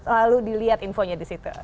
lalu dilihat infonya di situ